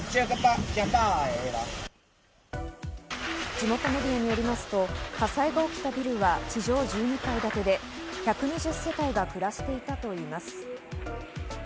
地元メディアによりますと火災が起きたビルは地上１２階建てで１２０世帯が暮らしていたといいます。